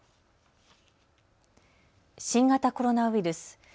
新型コロナウイルス。